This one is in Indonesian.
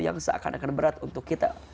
yang seakan akan berat untuk kita